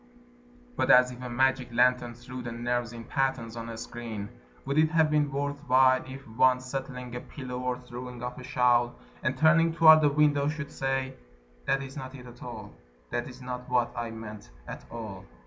But as if a magic lantern threw the nerves in patterns on a screen: Would it have been worth while If one, settling a pillow or throwing off a shawl, And turning toward the window, should say: "That is not it at all, That is not what I meant, at all."